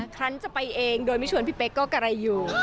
ครั้งจะไปเองโดยไม่ชวนพี่เป๊กก็กะไรอยู่